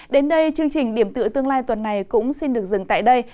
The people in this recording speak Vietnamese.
đến đây chương trình điểm tựa tương lai tuần này cũng xin được dừng tại đây